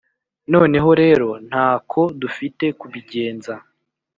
Noneho rero nta ko dufite kubigenza.